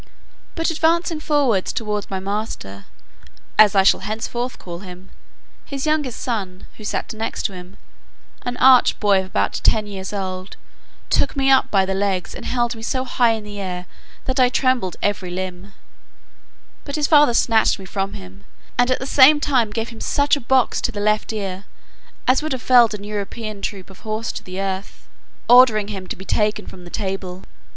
But advancing forward towards my master (as I shall henceforth call him,) his youngest son, who sat next to him, an arch boy of about ten years old, took me up by the legs, and held me so high in the air, that I trembled every limb: but his father snatched me from him, and at the same time gave him such a box on the left ear, as would have felled an European troop of horse to the earth, ordering him to be taken from the table.